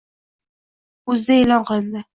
uzda e`lon qilindi